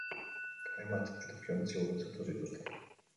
Hainbat edukiontzi gurutzatu zituzten.